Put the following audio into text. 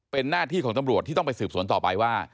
เป็นหน้าที่ของตำรวจที่ต้องไปสืบสวนต่อไปว่า